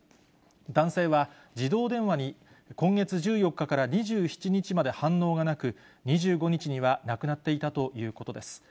男性は自動電話に、今月１４日から２７日まで反応がなく、２５日には亡くなっていたということです。